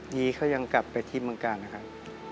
นี้เขายังกลับไปที่เมืองกาลนะครับ